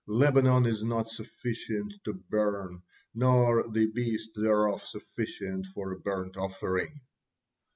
'Lebanon is not sufficient to burn, nor the beast thereof sufficient for a burnt offering.'"